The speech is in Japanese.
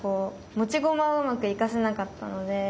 持ち駒をうまく生かせなかったので。